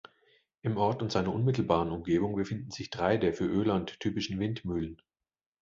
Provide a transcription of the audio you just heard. Im Ort und seiner unmittelbaren Umgebung befinden sich drei der für Öland typischen Windmühlen.